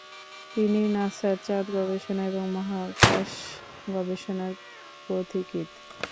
তিনি নাসার চাঁদ গবেষণা এবং মহাকাশ গবেষণার পথিকৃৎ।